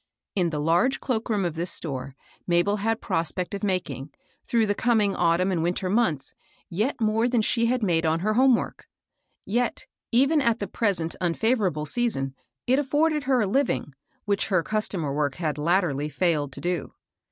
In the large cloak room of this store, Mabel had prospect of making, through the coming autumn and winter months, yet more than she had made on her home work ; while, even at the present un (89) 40 MABBL ROSS. favorable season, it afforded her a living, which her customer work had latterly failed to do.